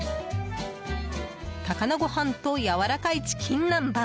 高菜ご飯とやわらかいチキン南蛮